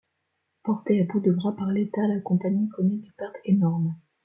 Portée à bout de bras par l'État, la compagnie connait des pertes énormes.